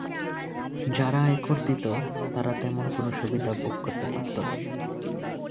যারা আয়কর দিত তারা তেমন কোন সুবিধা ভোগ করতে পারত না।